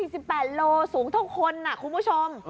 ถัง๔๘โลสูงเท่าคนน่ะคุณผู้ชม